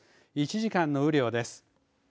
１時間の雨量です。